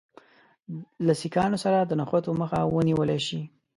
له سیکهانو سره د نښتو مخه ونیوله شي.